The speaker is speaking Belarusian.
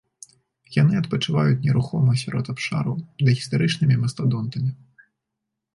Яны адпачываюць нерухома сярод абшараў дагістарычнымі мастадонтамі.